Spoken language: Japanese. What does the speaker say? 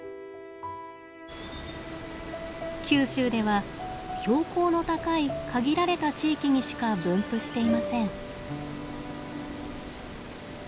九州では標高の高い限られた地域にしか分布していません。